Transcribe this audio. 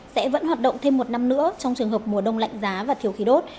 sẽ vẫn hoạt động thêm một năm nữa trong trường hợp mùa đông lạnh giá và thiếu khí đốt